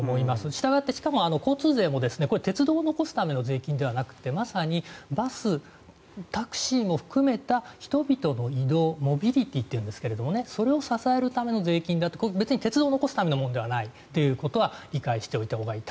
したがって、しかも交通税も鉄道を残すための税金ではなくてまさにバス、タクシーも含めた人々の移動モビリティーというんですがそれを支えるための税金別に鉄道を残すためのものではないということは理解しておいたほうがいい。